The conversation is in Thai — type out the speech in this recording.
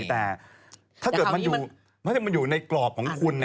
แต่ถ้าเกิดมันอยู่ในกรอบของคุณ